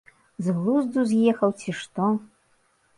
З глузду з'ехаў, ці што?